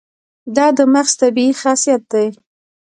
دا د مغز طبیعي خاصیت دی.